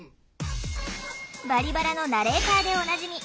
「バリバラ」のナレーターでおなじみ